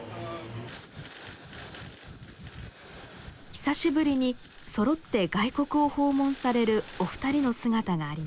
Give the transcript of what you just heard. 久しぶりにそろって外国を訪問されるお二人の姿がありました。